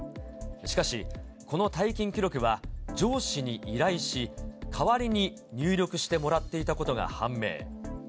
しかし、この退勤記録は上司に依頼し、代わりに入力してもらっていたことが判明。